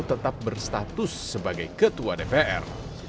tetap berstatus sebagai ketua dpr